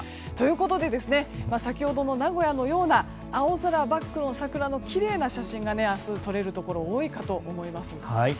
ということで先ほどの名古屋のような青空バックの桜のきれいな写真が明日、撮れるところ多いかと思います。